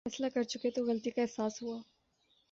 فیصلہ کرچکے تو غلطی کا احساس ہوا۔